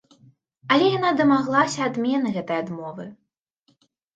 Але яна дамаглася адмены гэтай адмовы.